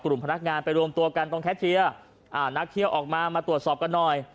พนักงานไปรวมตัวกันตรงแคทเชียร์นักเที่ยวออกมามาตรวจสอบกันหน่อย